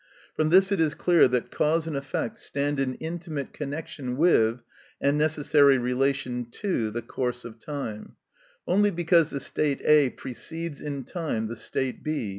From this it is clear that cause and effect stand in intimate connection with, and necessary relation to, the course of time. Only because the state A. precedes in time the state B.